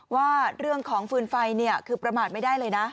ว่าเรื่องของฟืนไฟคือประมาทไม่ได้เลยนะ